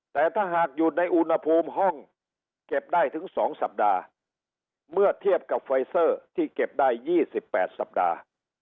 แต่ถ้าหากอยู่ในอุณหภูมิห้องเก็บได้ถึง๒สัปดาห์เมื่อเทียบกับไฟเซอร์ที่เก็บได้๒๘สัปดาห์